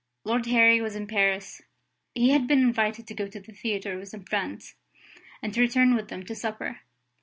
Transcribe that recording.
Lord Harry was in Paris. He had been invited to go to the theatre with some friends, and to return with them to supper.